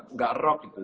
enggak rock gitu